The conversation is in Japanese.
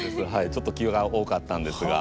ちょっと気が多かったんですが。